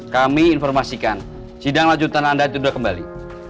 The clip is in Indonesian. kami informasikan sidang lanjutan anda itu sudah kembali